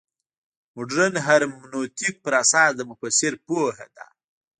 مډرن هرمنوتیک پر اساس د مفسر پوهه ده.